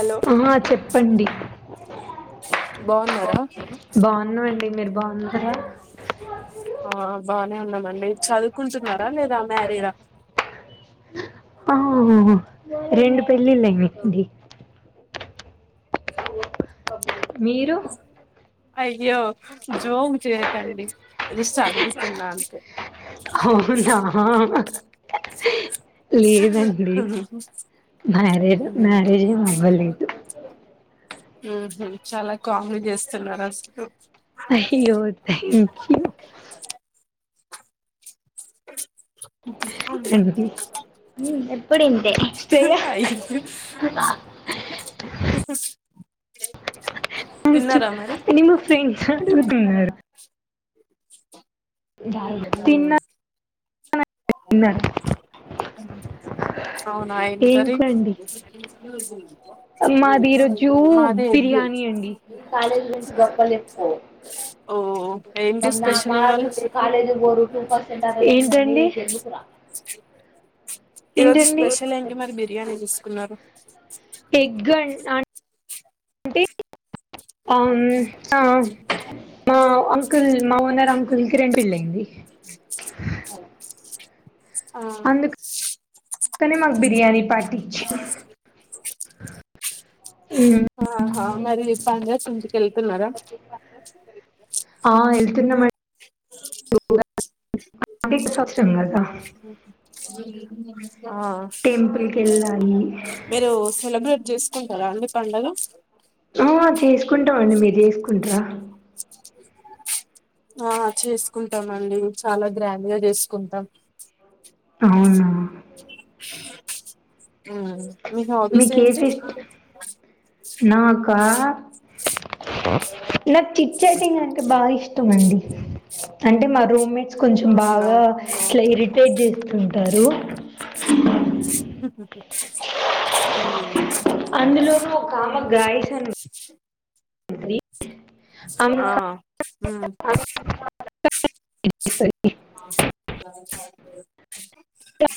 Hello ఆహా చెప్పండి బాగున్నారా మెర్బా సర బాగానే ఉన్నా మడి చదువుకుంటున్నారా లేదా మ్యారీరా ఓహోహో రెండు పెళ్ళిలడి మీరు అయ్యో జోము చేయకండి జస్ట్ అడుగుతున్నా అంతే అవునా లేదండి మ్యారేజ్ మ్యారేజ్ ఏం అవ్వలేదు చాలా కామెడీ చేస్తున్నారు అసలు అయ్యో థ్యాంక్ యూ అ ఎప్పుడుంతే చె్య అయ్యో ంచి తిన్నారా మరి ని ఫ్రెండ్స్ తన్న ఏం అవునాయనకర కూర అండి మాది ఈ రోజు బిర్యానీ అండి కాలేజీ నుంచి గొప్పలు చెప్పు ఓ ఏంటి స్పెషల్ ఇవాళ కాలేజీరు టూ పర్సెంట్ ఏంటండి తెలుందుకురా ఈరోోజు స్పెషల్ ఏంటి మరి బిర్యానీ తీసుకున్నారు అ ఎగ్ అ అంటే మా అంకుల్ మా ఓన్నర్ అంకుల్కి రెంటు ఎల్లింది ఆ అందుక అందుకనే మాకు బిర్యానీ పార్టీచిలు ఆహా మరి పండక్కి ఇంటికి వెళ్తున్నారా నామండి [unintelligible] ఆ టెంపుల్ కి వెళ్ళాలి మీరు సేలే చేసుకుంటారా అండి పండగ ఆ అ ఆ చేసుకుంటాం అండి చాలా గ్రాండ్గా చేసుకుంటాం అవునా అవునండి మీకు ఏ ఫెస్ట్ నాకా నాకు చిట్చటిన్ అంటే బాగా ఇష్టం అండి అంటే మా రూమ్మేట్ కొంచం అవునా బాగా ఇట్లా ఇరిటేట్ చేస్తుంటారు ఆ అందులోనూ ఒక ఆమె గాయసం అీ అవును కా అ [unintelligible]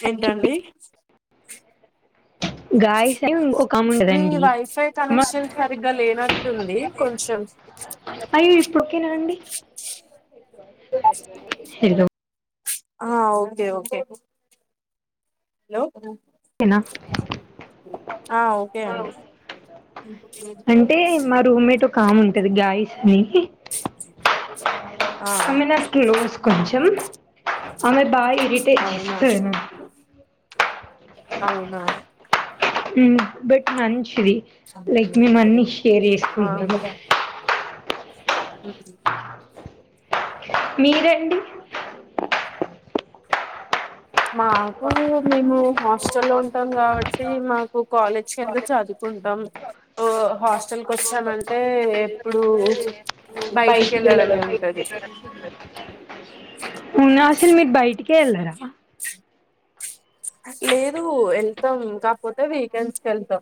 ఏంటండి గాయస్ అని ఒక ఆమె మీ ఉంటదండి వైఫై మా- కనెక్షన్ సరిగ్గా లేనట్టుంది కొంచెం డు ఓకేనా అండి హలో ఆ ఓకే ఓకే హలో ఓకేనా ఆ ఓకే అండి మే ఉంటది గాయస్ అని ఆ ఆమె నాకు క్లోస్ కొంచెం అమె బయి ఇర్రిటేట్ అవునా చేస్తానా అవునా హ్మ్ బట్ మంచి ది లైక్ మేము అన్ని షేర్ చేసుకుంటాం హ్మ్ మీరండి మాకు మేము హాస్టల్ ఉంటాం కాబట్టి మాకు కాలేజ్ కింద చదువుకుంటాం ఓ హాస్టల్ కొచ్చామంటే ఎప్పుడు బయటికి వెళ్ళడమే ఉంటది కెల్లరా లేదు వెళ్తాం కాకపోతే వీకెండ్స్కి వెళ్తాం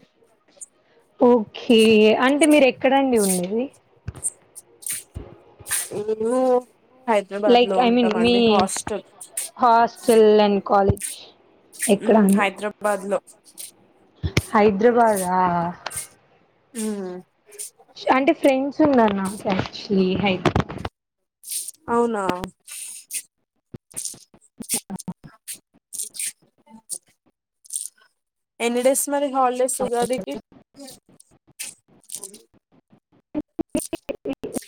ఓకే అంటే మీరు ఎక్కడండి ఉండేది ఊరు హైదరాబాద్ లైక్ లో ఐ మీన్ మీ ఉంటామండి hostel hostel and college hmm Hyderabad లో [inaudible] హైద్రాబాదా హ్మ్మ్ షా అంటే ఫ్రెండ్స్ ఉన్నారు నాకు కచ్చి హైప్ అవునా ఆ [inaudible] ఎన్ని డేస్ మరి హాలిడేస్ ఉగాదికి [unintelligible] [unintelligible]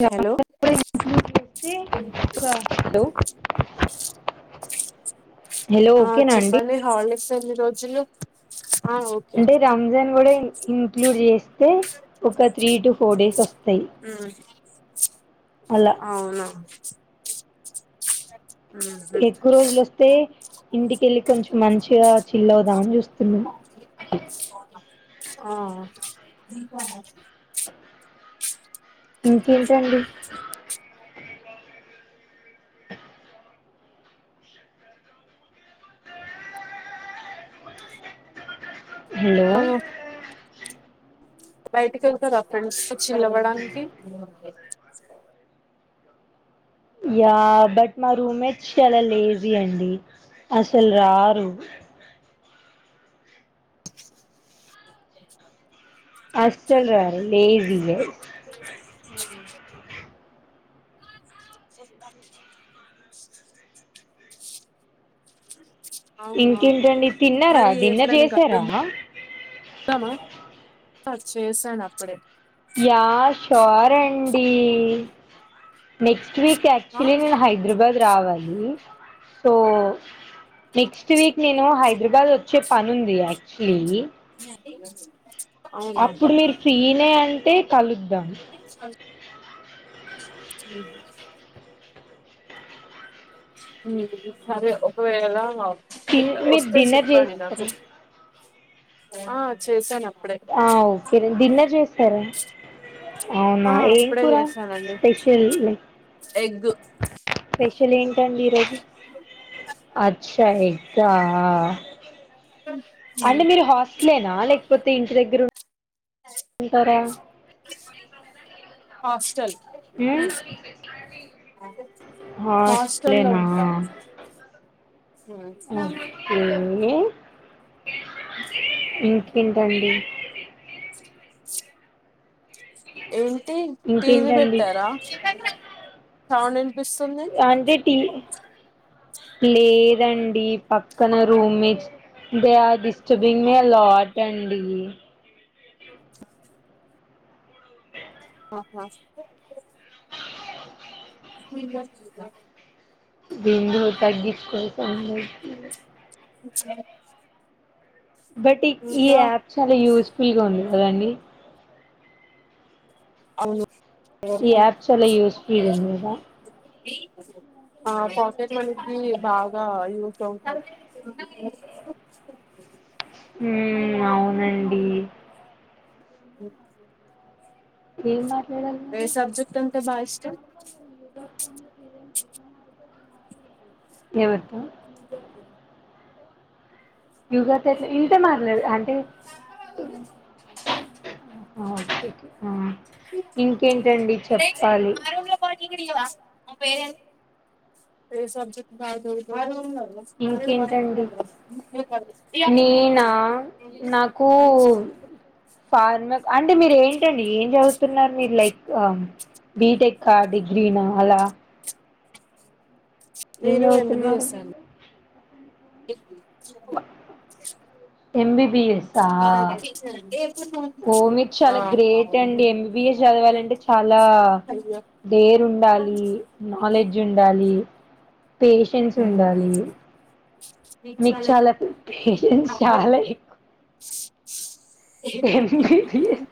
హలో ఎం ఇంక్లూడ్ చేస్తే ఒక [inaudible] హలో ఆ ఓకేనా అండి చెప్పండి హాలిడేస్ ఎన్ని రోజులు ఆ ఓకే అంటే రంజాన్ కూడా ఇంక్లూడ్ చేస్తే ఒక త్రీ టు ఫోర్ డేస్ వస్తాయి ఉ అలా అవును [inaudible] ఎక్కువ రోజులు వస్తే ఇంటికెళ్లికొంచ్ మంచిగా చిల్ అవుదామని చూస్తున్నా [inaudible] ఇంకేంటండి హలో ఆ బయటికి వెళ్తారా ఫ్రెండ్స్ చిల్ అవ్వడానికి ఓకే యా బట్ మా రూమ్మేట్స్ చాలా లేజీ అండి అసలు రారు తెచ్చుకో అస్సలు లేజీఏ అ [inaudible] అవునా ఇంకేంటండి తిన్నారా మరి డిన్నర్ ఎప్పుడైనా చేసినర కలుద్దామా చేశాను అప్పుడే యా షోర్ అండి నెక్స్ ఈ వీక్ ఆ యాక్చువల్లీ నేను హైదరాబాద్ రావాలి సో నెక్స్ట్ వీక్ నేను హైదరాబాద్ వచ్చే పని ఉంది యాక్చుల్లీ అవునా ఏ కలు ధాం ఊహ్మ్ మ్ సరే ఒకవేళ మ్ మీరు వస్తే డిన్నర్ చెప్పండి నాకు చేసారా ఆ చేశాను అప్ప ఆ ఓకే లే డిన్నర్ చేస్తారా అవునా ఆ ఏం అప్పుడే కూర చేశానండి స్పెషల్ ఎగ్ స్పె షల్ ఏం టండి ఈరోజు అచ్చా ఎగ్గా అంటే మీరు హాస్టలేనా లే కపోతే ఇంటి దగ్గర ఉం ఉంటారా హాస్టల్ మ్ హాస్టల్లో హాస్టలేనా ఉంటా ఉమ్. ఓకే ఇం కా అండి ఏంటి టీవీ ఇంకేంటండి పెట్టారా అవునం ఆంటీ టి లేదండి పక్కన roommates they are disturbing me lot అండి. అహా ఇప్పుడు వినవస్తుందా. బిందు తగ్గించుకో సౌండ్ వస్తుంది. చ్ బట్ ఈ యాప్ చాలా యూస్ఫుల్ గా ఉంది. కదండి. అవును ఈ యాప్ చాలా యూస్ఫుల్ ఉంది గదా. ఆ పాకెట్ మనీకి బాగా యూస్ అవుతుంది. ఉమ్ అవునండి. ఏం మాట్లాడాలి ఎ మరి సబ్జెక్ట్ బాగా ఇష్టం ఎవరితో యుగా తెట్ ల ఇంతే మారలేదు. అంటే ఆ ఓకే ఆ ఇంకేంటండి చెప్పాలి. ఏ సబ్జెక్ట్ బాగా చదువుతవు. ఇంకేంటండి నేనా నాకు ఫార్మ [unintelligible] అంటే మీరు ఏంటండి ఏం చదువుతున్నారు. మీరు లైక్ బీటెక్ డిగ్రీనా అలా నేను ఇన్నే ఉంటున్నారు. చె అ ఎంబీబీఎస్ వాళ్లదే ఓ మీరు చాలా గ్రేట్ అండి ఎంబిబిఎస్ చదవాలంటే చాలా అయ్యో. డేర్ ఉండాలి నాలెడ్జ్ ఉండాలి. Patience um. ఉండాలి. మీకు చాలా పేషన్స్ చాలా ఎక్కు ఎంబిబిఎస్.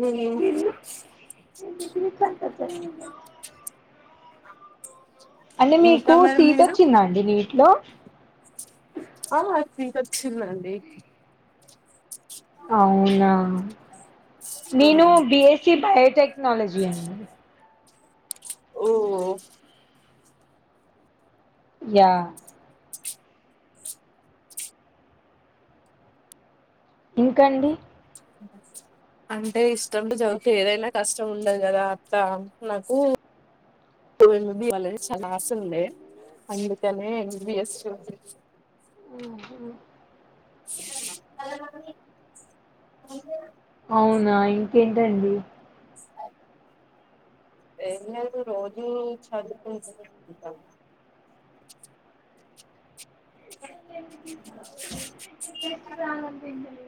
ఉ [unintelligible] అంటే ఇంకా మీకు మరి సీట్ మీరు వచ్చిందా అండి నీటిలో ఆ మాకు సీటు వచ్చిందండి. అవునా నేను ఉమ్. బిఎస్సి బయోటెక్ టెక్నాలజీ ఓ యా ఇంకాండి అంటే ఇష్టం తో చదివితే ఏదైనా కష్టం ఉండదు కదా అత్త నాకు ఏమన్నా కావాలే అని చాలా ఆశ ఉండే అందుకనే ఎంబిఎస్ చేశా ఉ హు కలిసేన అవునా ఇంకేంటండి ఏం లేదు రోజు చదువుకునే ఉంటా టెస్ట్ కాదంటే ఇంటలేదు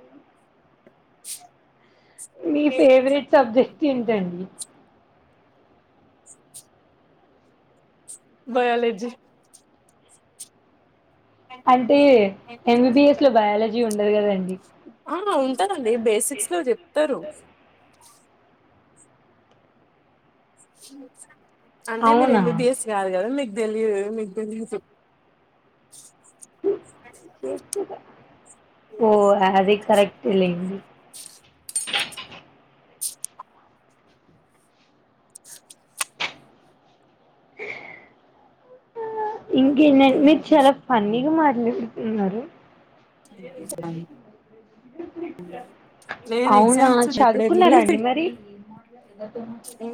డోర్ సౌండ్ మీ ఫేవరెట్ సబ్జెక్ట్ ఏంటండి బయోలజీ అంటే ఎంబీబీఎస్లో బయాలజీ ఉండదు కదండి ఆ ఉంటాందిండి బేసిక్స్ లో చెప్తారు డోర్ సౌండ్ చూసా అన్నది అంటే మీరు అవునా ఎంబీబీఎస్ కాదు కదా మీకు తెలియదు కదా దీని గురించి మీకు ఓ అది కరెక్ట్ లేడి ఇంకేంటంట మీరు చాలా ఫన్నీగా మాట్లాడతారు ఏం చేస్తున్నారు నేను అవునా ఎగ్జామ్స్ చదువుకున్నారండి మరి ఉ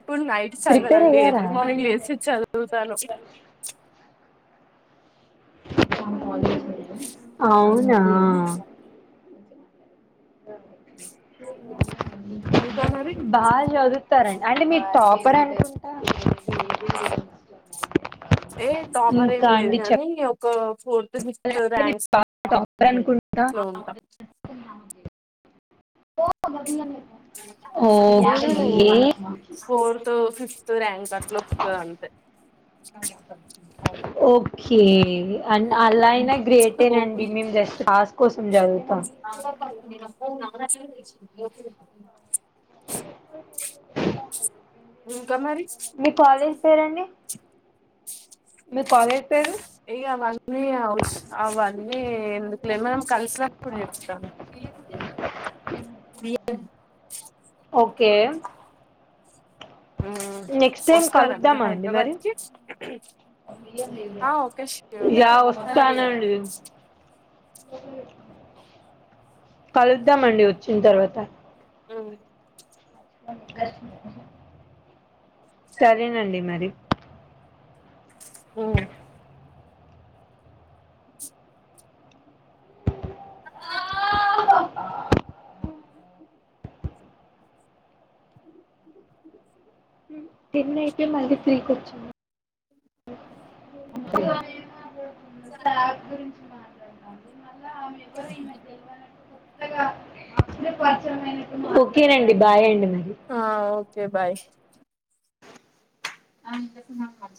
ఇప్పుడు నైట్ ప్రిపేర్ చదవనండి అయ్యారా ఎర్లీ మార్నింగ్ లేసి చదువుతాను అవునా రాలే సార్ ఇంకా మరి బాగా చదువుతారండి అంటే మీరు టాపర్ అనుకుంట వాళ్ళ చదువు వాళ్ళ ఇష్టం అండి ఏ టాపర్ ఏం లేదు గానీ ఫోన్ మీరు టాపర్ అనుకుంటా లో ఉంటాం అబ్బా లేదు ఫోర్త్ ఫిఫ్త్ ర్యాంక్ అట్లుస్తు అంటే స స అ ఏే అ అలా అయినా గ్రేటేనండి మేము జస్ట్ కస్ కోసం చదువుతాం న ఇంకామరి మీ కాలేజీ పేరండి మీ కాలేజ్ పేరు ఇ అవన్నీ అ అవన్నీ ఎందుకులే మనం కలిసినప్పుడు చెప్తాము ఓకే నెక్స్ట్ టైం వస్తారా మీరు కలుద్దామా అండి మరి హైదరాబాద్కిి ఆ కేష్ యా వస్తానండి కలుద్దామండి వచ్చిన తర్వాత ఆ సరేనండి మరి అ టెన్ అయిపోయి మళ్ళీ త్రీకి వచ్చింది ఇ త గురి ఓకేనండి బాయ్ అండి మరి ఆ ఓకే బాయ్ అ